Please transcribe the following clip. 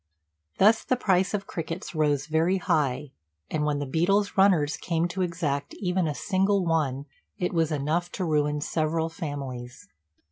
Thus the price of crickets rose very high; and when the beadle's runners came to exact even a single one, it was enough to ruin several families.